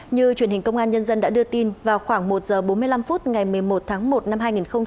như truyền hình công an nhân dân đã đưa tin vào khoảng một h bốn mươi năm phút ngày một mươi một tháng một năm hai nghìn hai mươi ba